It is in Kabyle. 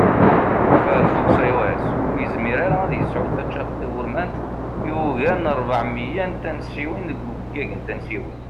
Firefox iOS ur yizmir ara ad yesεu taččart tawurmant i ugar n rbeɛ miyya n tansiwin deg ufeggag n tansiwin